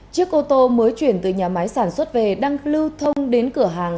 chiếc ô tô mới chuyển từ nhà máy sản xuất về đang lưu thông đến cửa hàng